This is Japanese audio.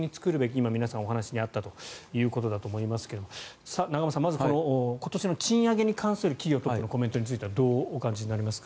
今、皆さんのお話にあったということだと思いますが永濱さん、今年の賃上げに関する企業のトップからのコメントについてはどうお感じになりますか？